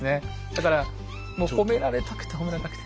だからもう褒められたくて褒められたくて。